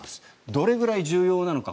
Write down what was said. どれくらい重要なのか。